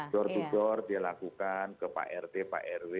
jor jor dia lakukan ke pak rt pak rw